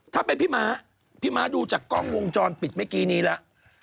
ถ้าเป็นพี่ม้าพี่ม้าดูจากกล้องวงจรปิดเมื่อกี้นี้แล้ว